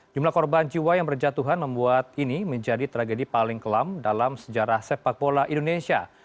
jumlah korban jiwa yang berjatuhan membuat ini menjadi tragedi paling kelam dalam sejarah sepak bola indonesia